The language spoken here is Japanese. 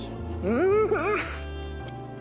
うん！